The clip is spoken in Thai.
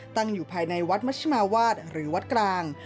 ตั้งอยู่ภายในวัดมัชมาวาดหรือวัดกลาง